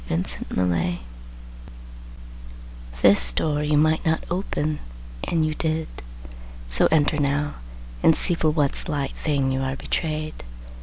VI Bluebeard This door you might not open, and you did; So enter now, and see for what slight thing You are betrayed.